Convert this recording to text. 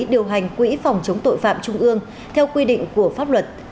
điều hành quỹ phòng chống tội phạm trung ương theo quy định của pháp luật